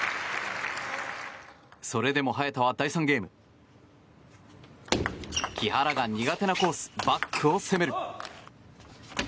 それでも早田は第３ゲーム木原が苦手なコース、バックを攻める。